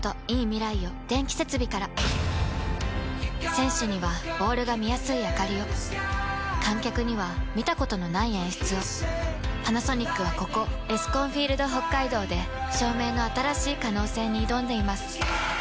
選手にはボールが見やすいあかりを観客には見たことのない演出をパナソニックはここエスコンフィールドＨＯＫＫＡＩＤＯで照明の新しい可能性に挑んでいます